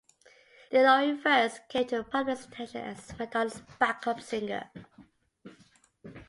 De Lory first came to the public's attention as Madonna's backup singer.